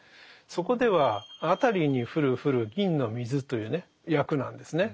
そこでは「あたりに降る降る銀の水」というね訳なんですね。